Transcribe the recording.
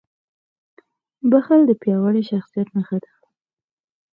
• بښل د پیاوړي شخصیت نښه ده.